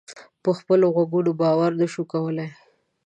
په خپلو غوږونو باور نه شو کولای.